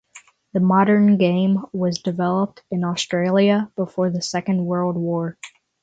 The modern game was developed in Australia before the Second World War.